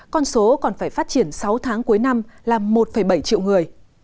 con số còn phải phát triển sáu tháng cuối năm là một bảy triệu người